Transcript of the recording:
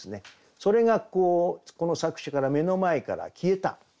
それがこの作者から目の前から消えた。